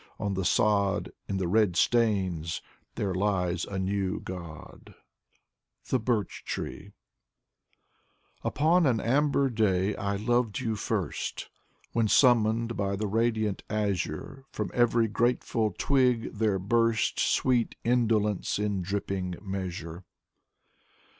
On the sod In the red stains there lies A new god. Sergey Gorodetzky 149 THE BIRCH TREE Upon an amber day I loved you first, When, summoned by the radiant azure, From every grateful twig there burst Sweet indolence in dripping measure.